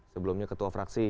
sebelumnya ketua fraksi